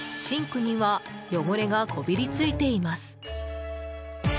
シンクには汚れがこびりついています。